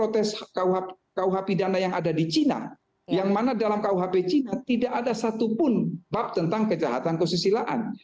tapi di luar negara di luar hp cina tidak ada satupun bab tentang kejahatan kesusilaan